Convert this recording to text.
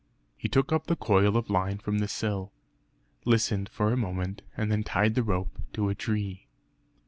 He took up the coil of line from the sill, listened for a moment, and then tied the rope to a tree.